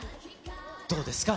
どうですか？